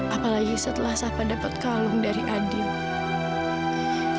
apalagi setelah sava dapet kalung dari nadil